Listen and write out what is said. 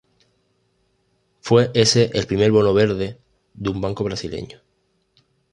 Fue ese el primer bono verde de un banco brasileño.